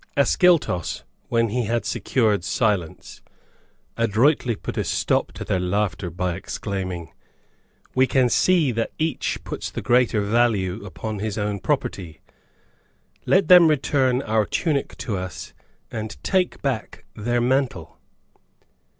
Ascyltos, when he had secured silence, adroitly put a stop to their laughter by exclaiming, "We can see that each puts the greater value upon his own property. Let them return our tunic to us, and take back their mantle!"